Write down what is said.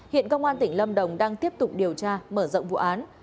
hiện công an tỉnh lâm đồng đang tiếp tục điều tra mở rộng vụ án